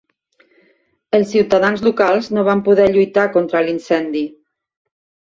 Els ciutadans locals no van poder lluitar contra l'incendi.